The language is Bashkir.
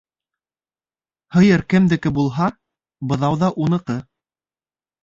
Һыйыр кемдеке булһа, быҙау ҙа уныҡы.